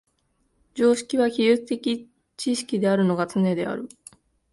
常識は技術的知識であるのがつねである。